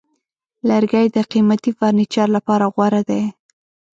لرګی د قیمتي فرنیچر لپاره غوره دی.